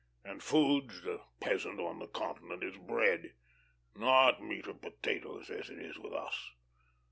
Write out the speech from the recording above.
And food to the peasant on the continent is bread not meat or potatoes, as it is with us.